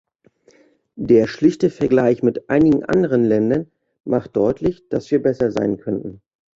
Der schlichte Vergleich mit einigen anderen Ländern macht deutlich, dass wir besser sein könnten.